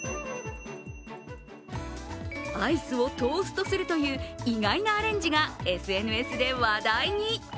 アイスをトーストするという意外なアレンジがＳＮＳで話題に。